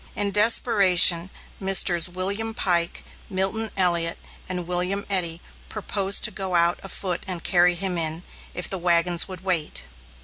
In desperation, Messrs. William Pike, Milton Elliot, and William Eddy proposed to go out afoot and carry him in, if the wagons would wait.